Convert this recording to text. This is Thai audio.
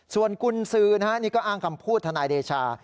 ส่วนกุญสือนะฮะนี่ก็อ้างคำพูดทนายเดชา